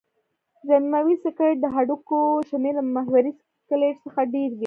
ضمیموي سکلېټ د هډوکو شمېر له محوري سکلېټ څخه ډېر دی.